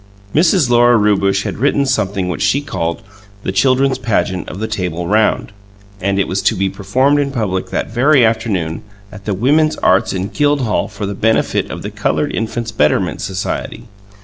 Mrs. Lora Rewbush had written something which she called "The Children's Pageant of the Table Round," and it was to be performed in public that very afternoon at the Women's Arts and Guild Hall for the benefit of the Coloured Infants' Betterment Society.